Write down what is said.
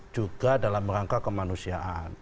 juga dalam rangka kemanusiaan